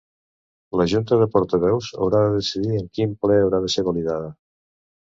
La junta de portaveus haurà de decidir en quin ple haurà de ser validada.